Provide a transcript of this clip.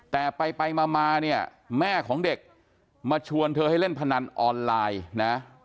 แต่ไปมาเนี่ยแม่ของเด็กมาชวนเธอให้เล่นพนันออนไลน์นะ